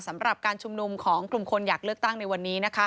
สำหรับการชุมนุมของกลุ่มคนอยากเลือกตั้งในวันนี้